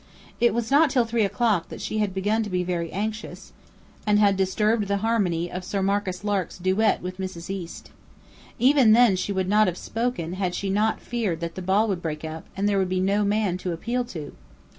It was not till three o'clock that she had begun to be very anxious, and had disturbed the harmony of Sir Marcus Lark's duet with Mrs. East. Even then she would not have spoken had she not feared that the ball would break up, and there would be no man to appeal to!